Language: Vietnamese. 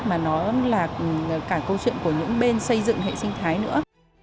mà nó là cả câu chuyện của những bên xây dựng hệ sinh thái nữa